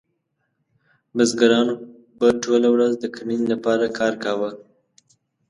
بزګرانو به ټوله ورځ د کرنې لپاره کار کاوه.